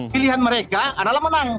pilihan mereka adalah menang